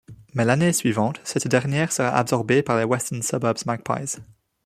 Mais l'année suivante, cette dernière sera absorbée par les Western Suburbs Magpies.